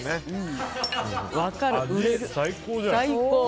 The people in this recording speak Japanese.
最高。